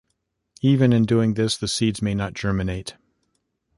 Even in doing this, the seeds may not germinate.